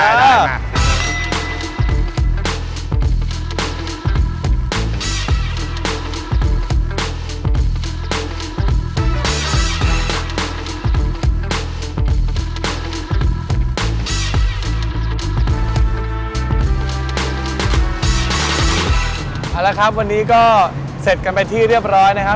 เอาละครับวันนี้ก็เสร็จกันไปที่เรียบร้อยนะครับ